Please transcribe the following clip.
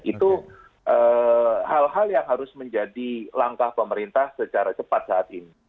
itu hal hal yang harus menjadi langkah pemerintah secara cepat saat ini